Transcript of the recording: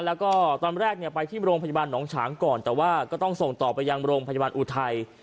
แล้วก็ตอนแรกเนี่ยไปที่โรงพยาบาลหนองฉางก่อนแต่ว่าก็ต้องส่งต่อไปยังโรงพยาบาลอุทัย